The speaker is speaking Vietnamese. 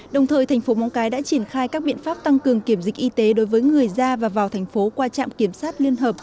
đồng thời thành phố móng cái đã triển khai các biện pháp tăng cường kiểm dịch y tế đối với người ra và vào thành phố qua trạm kiểm soát liên hợp